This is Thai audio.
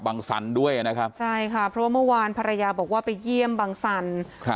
สันด้วยนะครับใช่ค่ะเพราะว่าเมื่อวานภรรยาบอกว่าไปเยี่ยมบังสันครับ